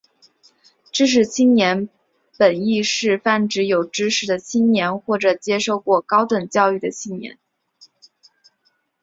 知识青年本义是泛指有知识的青年或者接受过高等教育的青年。